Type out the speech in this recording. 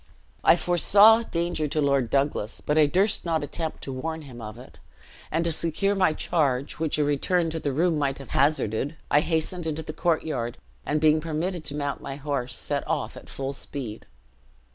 I foresaw danger to Lord Douglas, but I durst not attempt to warn him of it; and, to secure my charge, which a return to the room might have hazarded, I hastened into the courtyard, and being permitted to mount my horse, set off at full speed.